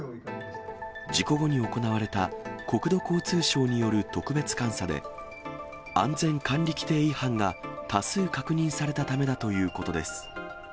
事故後に行われた国土交通省による特別監査で、安全管理規程違反が多数、確認されたためだということです。